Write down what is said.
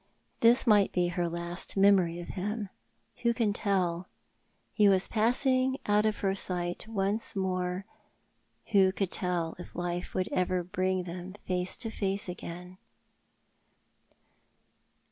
This might be her last memory of him. AVho can tell? He was i)assing out of her sight once more. Who could tell if life would ever bring them face to face again